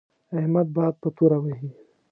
احمد باد په توره وهي.